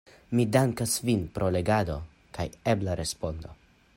Mi dankas vin pro legado kaj ebla respondo.